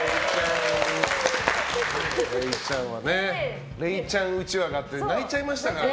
れいちゃんはれいちゃんうちわがあって泣いちゃいましたから。